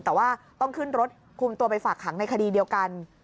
แต่ว่าต้องขึ้นรถคุมตัวไปฝากขังในคดีเดียวกัน